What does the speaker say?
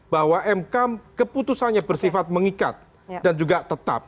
bahwa mk keputusannya bersifat mengikat dan juga tetap